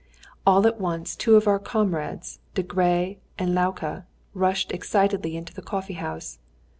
All at once two of our comrades, Degré and Lauka, rushed excitedly into the coffee house.